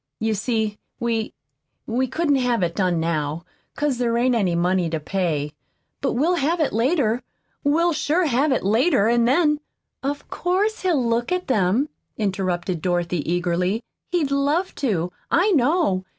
You see, we we couldn't have it done now, 'cause there ain't any money to pay. But we'll have it later. We'll sure have it later, an' then " "Of course he'll look at them," interrupted Dorothy eagerly. "He'll love to, I know.